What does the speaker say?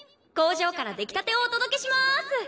工場から出来たてをお届けしまーす！